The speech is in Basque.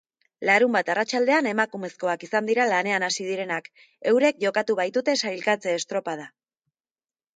Larunbat arratsaldean emakumezkoak izan dira lanean hasi direnak, eurek jokatu baitute sailkatze-estropada.